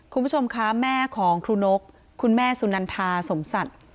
คุณผู้ชมคะแม่ของครูนกคุณแม่สุนันทาสมสัตว์